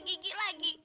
nyeram petek gigi lagi